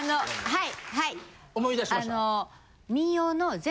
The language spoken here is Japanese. はい。